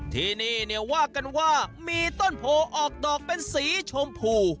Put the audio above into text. ที่นี่เนี่ยว่ากันว่ามีต้นโพออกดอกเป็นสีชมพู